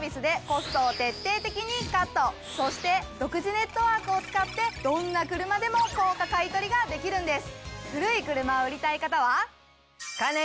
そして独自ネットワークを使ってどんな車でも高価買取ができるんです！